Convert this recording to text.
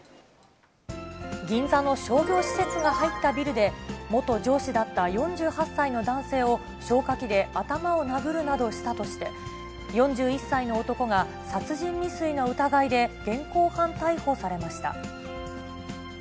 銀座の商業施設が入ったビルで、元上司だった４８歳の男性を消火器で頭を殴るなどしたとして、４１歳の男が殺人未遂の疑いで現行犯逮捕されました。